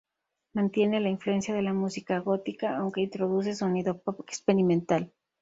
Mantiene la influencia de la música gótica, aunque introduce sonido pop experimental.